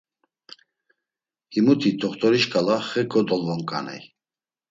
Himuti T̆oxt̆ori şǩala xe kodolvonǩaney.